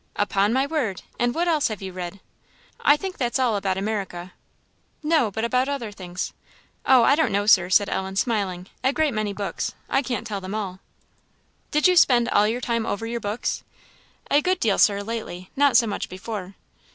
"Upon my word! And what else have you read?" "I think that's all, about America," said Ellen. "No, but about other things." "Oh, I don't know, Sir," said Ellen, smiling; "a great many books; I can't tell them all." "Did you spend all your time over your books?" "A good deal, Sir, lately; not so much before."